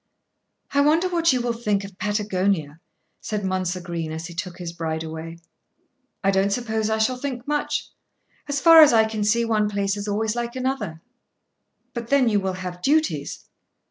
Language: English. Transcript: "I wonder what you will think of Patagonia," said Mounser Green as he took his bride away. "I don't suppose I shall think much. As far as I can see one place is always like another." "But then you will have duties."